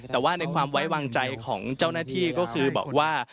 แต่ว่าในความไว้วางใจของเจ้าหน้าที่ก็คือบอกว่า